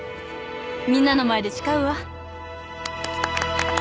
みんなの前で誓うわ。